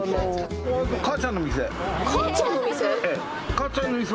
かあちゃんの店？